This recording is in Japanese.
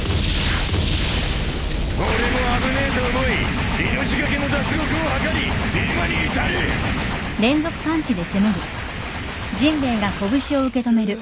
俺も危ねえと思い命懸けの脱獄をはかり今に至る！